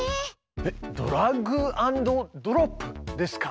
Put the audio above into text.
えっドラッグアンドドロップですか？